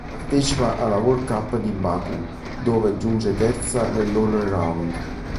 Partecipa alla World Cup di Baku, dove giunge terza nell'all-around.